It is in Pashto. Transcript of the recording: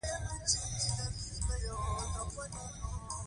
د پېریانو په لټه ځنګل ته تلونکي خلک ژوندي نه پاتې کېږي.